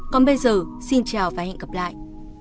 còn bây giờ xin chào và hẹn gặp lại